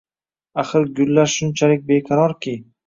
Axir, gullar shunchalik beqarorki!..